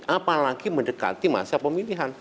malah lagi mendekati masa pemilihan